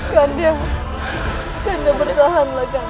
kandang kandang bertahanlah kandang